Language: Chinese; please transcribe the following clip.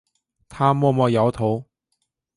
他默默摇头